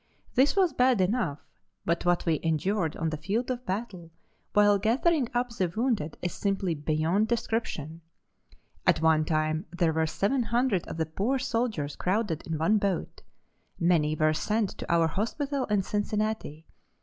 This was bad enough, but what we endured on the field of battle while gathering up the wounded is simply beyond description. At one time there were 700 of the poor soldiers crowded in one boat. Many were sent to our hospital in Cincinnati.